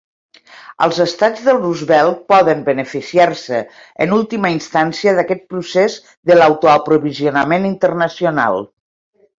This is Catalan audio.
Els estats del Rustbelt poden beneficiar-se en última instància d'aquest procés de l'autoaprovisionament internacional.